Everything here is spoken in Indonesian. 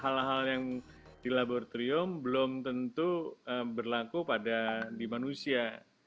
hal hal yang di laboratorium belum tentu berlaku pada di manusia